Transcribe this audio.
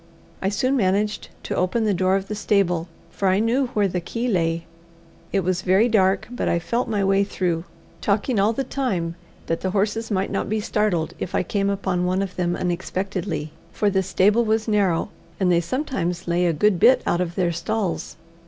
I soon managed to open the door of the stable, for I knew where the key lay. It was very dark, but I felt my way through, talking all the time that the horses might not be startled if I came upon one of them unexpectedly, for the stable was narrow, and they sometimes lay a good bit out of their stalls.